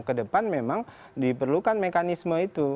kedepan memang diperlukan mekanisme itu